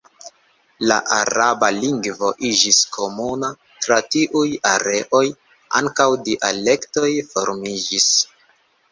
La araba lingvo iĝis komuna tra tiuj areoj; ankaŭ dialektoj formiĝis.